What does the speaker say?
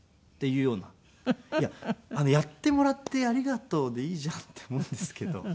いややってもらってありがとうでいいじゃんって思うんですけど。